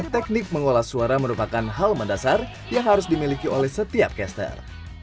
teknik mengolah suara merupakan hal mendasar yang harus dimiliki oleh setiap caster